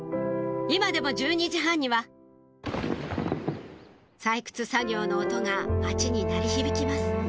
今でも１２時半には採掘作業の音が町に鳴り響きます